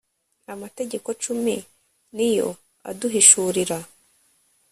amategeko cumi niyo aduhishurira